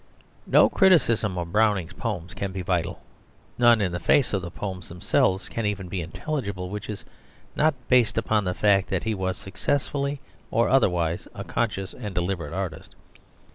No criticism of Browning's poems can be vital, none in the face of the poems themselves can be even intelligible, which is not based upon the fact that he was successfully or otherwise a conscious and deliberate artist.